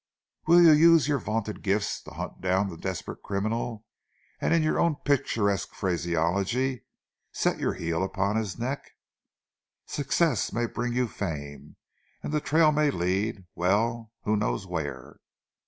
Will you use your vaunted gifts to hunt down the desperate criminal, and, in your own picturesque phraseology, set your heel upon his neck? Success may bring you fame, and the trail may lead well, who knows where?"